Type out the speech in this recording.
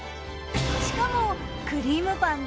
しかも。